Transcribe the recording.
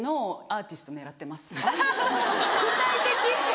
アアーティスト？